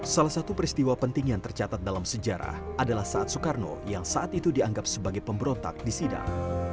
salah satu peristiwa penting yang tercatat dalam sejarah adalah saat soekarno yang saat itu dianggap sebagai pemberontak di sidang